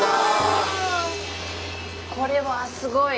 これはすごい！